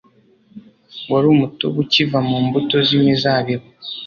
wari umutobe ukiva mu mbuto z’imizabibu